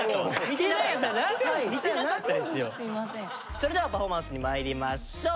それではパフォーマンスにまいりましょう。